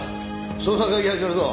捜査会議始めるぞ。